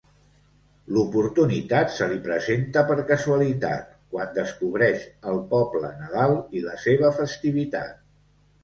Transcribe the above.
L'oportunitat se li presenta per casualitat quan descobreix el poble Nadal i la seva festivitat.